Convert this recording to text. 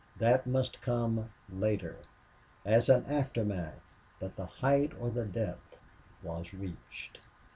That must come later as an aftermath. But the height or the depth was reached.